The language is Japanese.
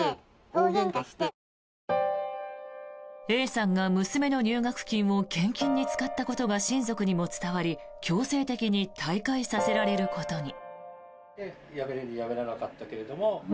Ａさんが娘の入学金を献金に使ったことが親族にも伝わり強制的に退会させられることに。